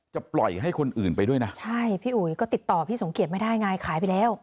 ปล่อยให้คนอื่นไปด้วยนะใช่พี่อุ๋ยก็ติดต่อพี่สมเกียจไม่ได้ไงขายไปแล้ว